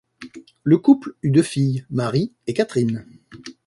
Le couple eut deux filles, Mary et Katherine.